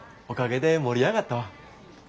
おかげで盛り上がったわ。